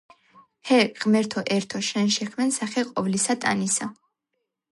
ჰე, ღმერთო ერთო, შენ შეჰქმენ სახე ყოვლისა ტანისა